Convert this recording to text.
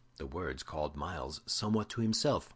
The words called Myles somewhat to himself.